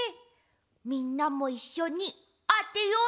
みんなもいっしょにあてようね！